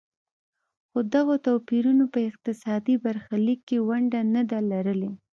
خو دغو توپیرونو په اقتصادي برخلیک کې ونډه نه ده لرلې.